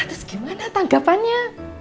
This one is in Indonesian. terus gimana tanggapannya